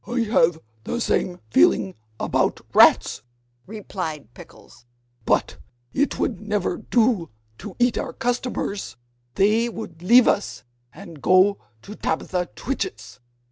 "I have the same feeling about rats," replied Pickles, "but it would never do to eat our customers; they would leave us and go to Tabitha Twitchit's."